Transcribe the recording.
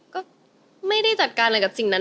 ก็ไม่ได้จัดการอะไรกับสิ่งนั้น